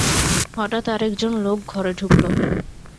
হঠাৎ আরেক জন লোক ঘরে ঢুকল।